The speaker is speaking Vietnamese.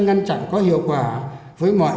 ngăn chặn có hiệu quả với mọi